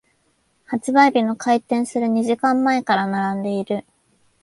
発売日の開店する二時間前から並んでいる。